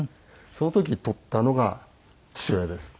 その時に撮ったのが父親です。